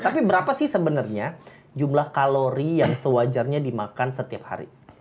tapi berapa sih sebenarnya jumlah kalori yang sewajarnya dimakan setiap hari